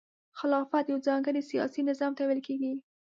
خلافت یو ځانګړي سیاسي نظام ته ویل کیږي.